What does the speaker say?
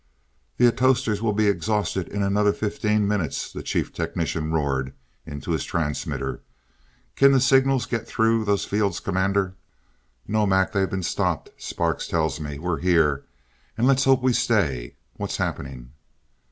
"The atostors will be exhausted in another fifteen minutes," the Chief Technician roared into his transmitter. "Can the signals get through those fields, Commander?" "No, Mac. They've been stopped, Sparks tells me. We're here and let's hope we stay. What's happening?"